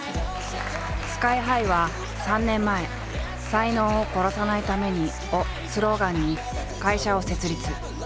ＳＫＹ−ＨＩは３年前「才能を殺さないために」をスローガンに会社を設立。